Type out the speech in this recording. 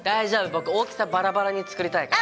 僕大きさバラバラに作りたいから。